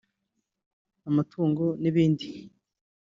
amatungo n’ibindi